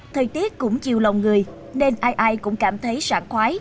thời tiết cũng chiều lòng người nên ai ai cũng cảm thấy sản khoái